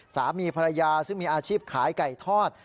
สามีภรรยาซึ่งมีอาชีพขายไก่ทอด